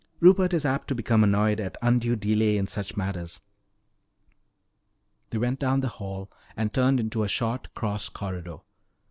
Rupert is apt to become annoyed at undue delay in such matters." They went down the hall and turned into a short cross corridor.